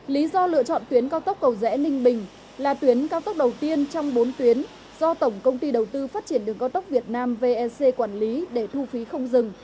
lý do lựa chọn tuyến cao tốc cầu rẽ ninh bình là tuyến cao tốc đầu tiên trong bốn tuyến do tổng công ty đầu tư phát triển đường cao tốc việt nam vec quản lý để thu phí không dừng